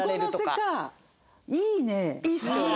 いいっすよね。